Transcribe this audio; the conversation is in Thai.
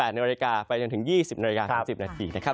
๑๘นไปถึง๒๐นนะครับ